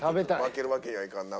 負けるわけにはいかんな。